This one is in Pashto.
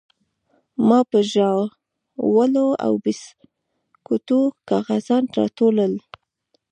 ما به د ژاولو او بيسکوټو کاغذان راټولول.